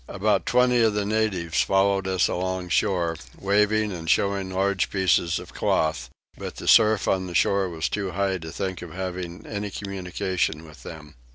About twenty of the natives followed us along shore, waving and showing large pieces of cloth; but the surf on the shore was too high to think of having any communication with them.